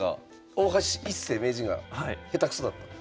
大橋一世名人がへたくそだった？